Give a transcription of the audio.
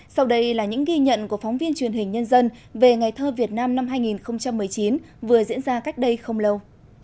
sau đây là những ghi nhận của phóng viên truyền hình nhân dân về ngày thơ việt nam năm hai nghìn một mươi chín vừa diễn ra cách đây không lâu